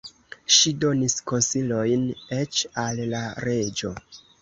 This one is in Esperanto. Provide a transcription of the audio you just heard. Ŝi donis konsilojn eĉ al la reĝo.